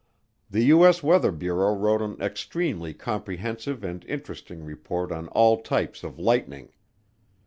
The U.S. Weather Bureau wrote an extremely comprehensive and interesting report on all types of lightning.